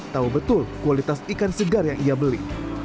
tahu betul kualitas ikan segar yang ia beli